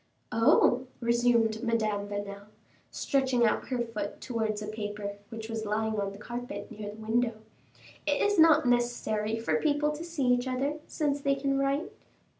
"Oh!" resumed Madame Vanel, stretching out her foot towards a paper which was lying on the carpet near the window; "it is not necessary for people to see each other, since they can write."